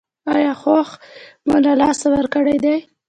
ایا هوښ مو له لاسه ورکړی دی؟